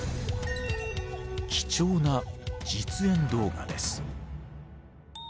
貴重な実演動画です。